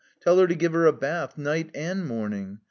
Tell her to give her a bath night and morning.